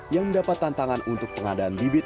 yang mendapat tantangan untuk pengadaan bibit